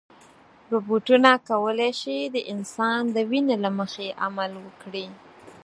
روبوټونه کولی شي د انسان د وینا له مخې عمل وکړي.